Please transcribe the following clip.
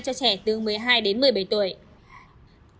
cho trẻ từ một mươi hai đến một mươi bảy tuổi